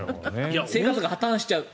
生活が破たんしちゃう。